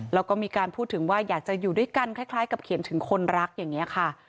แล้วก็มีการพูดถึงว่าอยากจะอยู่ด้วยกันคล้ายกับเขียนถึงคนรักอย่างนี้ค่ะ